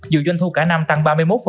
dù doanh thu cả năm tăng ba mươi một